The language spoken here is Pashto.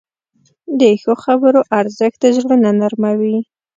د ښو خبرو ارزښت زړونه نرموې.